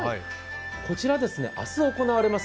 こちら、明日行われます